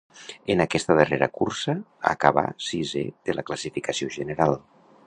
En aquesta darrera cursa acabà sisè de la classificació general.